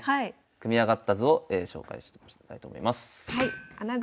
組み上がった図を紹介したいと思います。